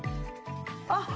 あっ。